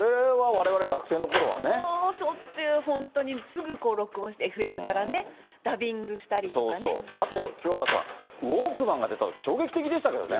もうしょっちゅう、本当にすぐ録音してＦＭからね、ダビングしたりとかね。あと清原さん、ウォークマンが出たとき衝撃的でしたけどね。